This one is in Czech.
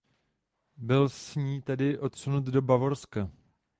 Byl s ní tedy odsunut do Bavorska.